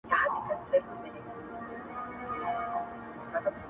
o بس دي وي فرهاده ستا د سر کیسه به شاته کړم,